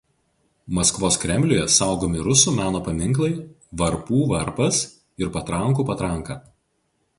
Maskvos kremliuje saugomi rusų meno paminklai "Varpų varpas" ir Patrankų patranka.